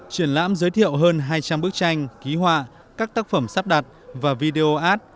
triển lãm giới thiệu hơn hai trăm linh bức tranh ký họa các tác phẩm sắp đặt và video ad